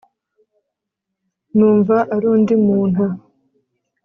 numva ari undi muntu